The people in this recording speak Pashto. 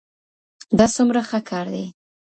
دا څومره ښه کار دی.